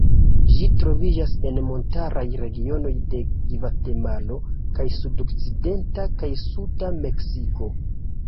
Ĝi troviĝas en montaraj regionoj de Gvatemalo kaj sudokcidenta kaj suda Meksiko.